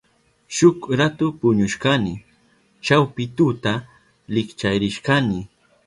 Shuk ratu puñushkani. Chawpi tuta likcharishkani.